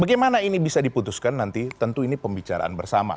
bagaimana ini bisa diputuskan nanti tentu ini pembicaraan bersama